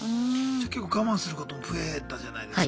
じゃ結構我慢することも増えたじゃないですか。